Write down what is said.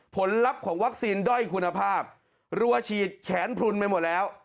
ลับของวัคซีนด้อยคุณภาพรัวฉีดแขนพลุนไปหมดแล้ว